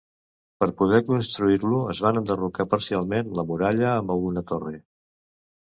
Per poder construir-lo, es va enderrocar parcialment la muralla, amb alguna torre.